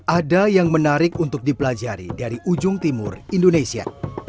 ada yang menarik untuk dipelajari dari ujung timur indonesia